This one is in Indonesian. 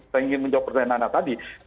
saya ingin menjawab pertanyaan nana tadi